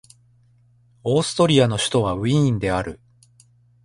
オーストリアの首都はウィーンである